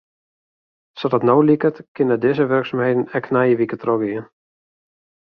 Sa't it no liket kinne dizze wurksumheden ek nije wike trochgean.